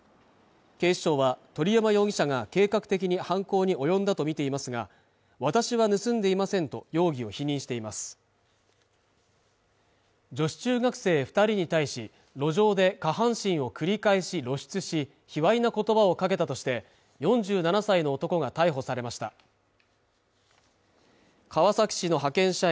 警視庁は鳥山容疑者が計画的に犯行に及んだとみていますが私は盗んでいませんと容疑を否認しています女子中学生二人に対し路上で下半身を繰り返し露出し卑猥な言葉をかけたとして４７歳の男が逮捕されました川崎市の派遣社員